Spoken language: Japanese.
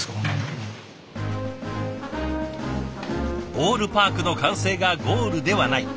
ボールパークの完成がゴールではない。